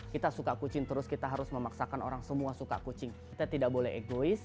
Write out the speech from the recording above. kita suka kucing terus kita harus memaksakan orang semua suka kucing kita tidak boleh egois